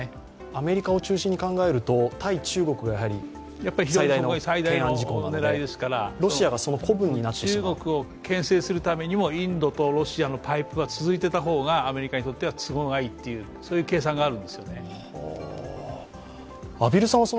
アメリカを中心に考えると、対中国は最大の懸案事項なので最大の狙いですから中国をけん制するためにもインドとロシアのパイプが続いていた方がアメリカにとっては都合がいいという、そういう計算があるんですよね。